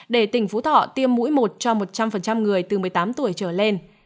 để tỉnh phú thọ tiêm mũi một cho một trăm linh người từ một mươi tám tuổi trở lên